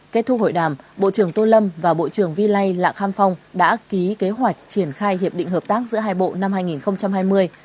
kết thúc hội đàm bộ trưởng tô lâm và bộ trưởng vi lai lạ kham phong đã ký kế hoạch triển khai hiệp định hợp tác giữa hai bộ năm hai nghìn hai mươi